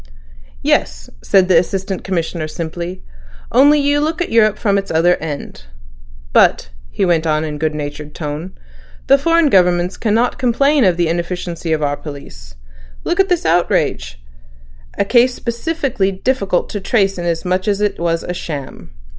"Yes," said the Assistant Commissioner simply. "Only you look at Europe from its other end. But," he went on in a good natured tone, "the foreign governments cannot complain of the inefficiency of our police. Look at this outrage; a case specially difficult to trace inasmuch as it was a sham.